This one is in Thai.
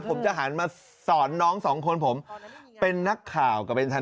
ผมจะหันมาสอนน้องสองคนผมเป็นนักข่าวกับเป็นทนาย